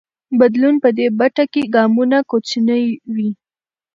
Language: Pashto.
بدلون په دې بڼه کې ګامونه کوچني وي.